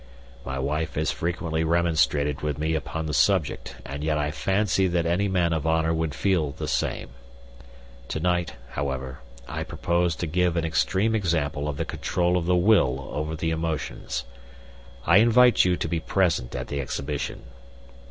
"My wife has frequently remonstrated with me upon the subject, and yet I fancy that any man of honor would feel the same. To night, however, I propose to give an extreme example of the control of the will over the emotions. I invite you to be present at the exhibition."